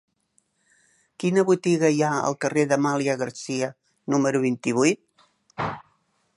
Quina botiga hi ha al carrer d'Amàlia Garcia número vint-i-vuit?